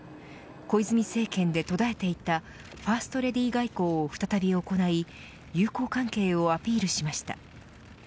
小泉政権で途絶えていたファーストレディー外交を再び行い友好関係をアピールしました。